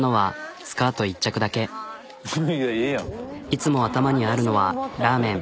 いつも頭にあるのはラーメン。